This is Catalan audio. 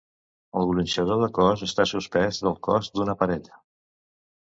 El gronxador de cos està suspès del cos d'una parella.